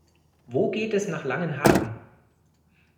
Wo geht es nach Langenhagen?